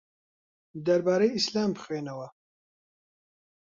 دەربارەی ئیسلام بخوێنەوە.